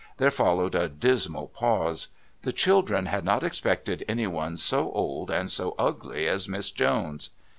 There followed a dismal pause. The children had not expected anyone so old and so ugly as Miss Jones.